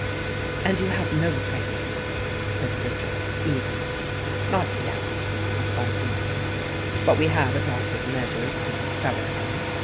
"And you have no trace of him?" said Richard, eagerly. "Not yet," replied Morcar. "But we have adopted measures to discover him.